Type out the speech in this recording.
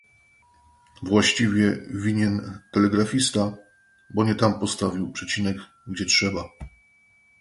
"Właściwie winien telegrafista, bo nie tam postawił przecinek, gdzie trzeba."